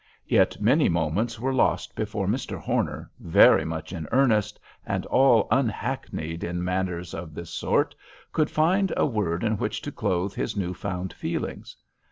Yet many moments were lost before Mr. Horner, very much in earnest, and all unhackneyed in matters of this sort, could find a word in which to clothe his new found feelings.